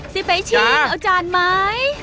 สิเฟซชินเอาจานไหม